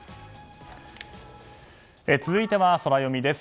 続いては、ソラよみです。